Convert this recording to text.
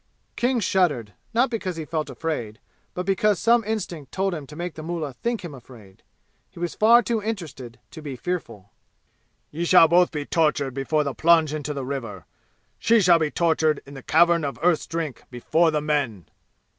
King shuddered, not because he felt afraid, but because some instinct told him to make the mullah think him afraid. He was far too interested to be fearful. "Ye shall both be tortured before the plunge into the river! She shall be tortured in the Cavern of Earth's Drink before the men!"